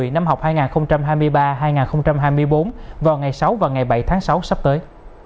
năm học hai nghìn hai mươi ba hai nghìn hai mươi bốn vào ngày sáu và ngày bảy tháng sáu sắp tới